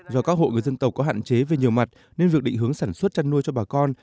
do các hộ người dân tộc có hạn chế về nhiều mặt nên việc định hướng sản xuất chăn nuôi cho bà con